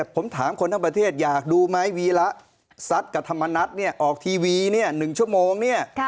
ผมถามคนทั้งประเทศอยากดูไหมวีระสัตว์กับธรรมนัฐออกทีวี๑ชั่วโมงเนี่ย